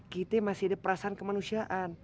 kita masih ada perasaan kemanusiaan